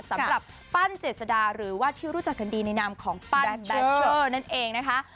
ปั้นเจษดาหรือว่าที่รู้จักกันดีในนามของปั้นแบตเชอร์นั่นเองนะคะ